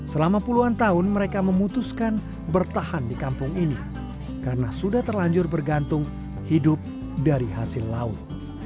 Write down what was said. selama puluhan tahun mereka memutuskan bertahan di kampung ini karena sudah terlanjur bergantung hidup dari hasil laut